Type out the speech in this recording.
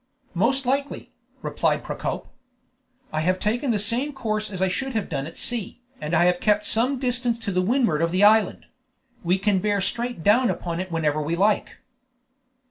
"Most likely," replied Procope. "I have taken the same course as I should have done at sea, and I have kept some distance to windward of the island; we can bear straight down upon it whenever we like."